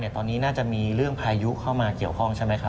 ตอนนี้น่าจะมีเรื่องพายุเข้ามาเกี่ยวข้องใช่ไหมครับ